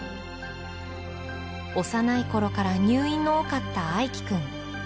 幼いころから入院の多かった愛季君。